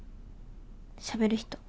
しゃべる人。